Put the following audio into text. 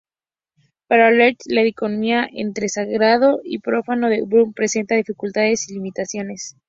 Para Leach la dicotomía entre sagrado y profano de Durkheim presenta dificultades y limitaciones.